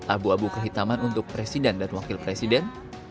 abu abu kehitaman untuk presiden dan wakil presiden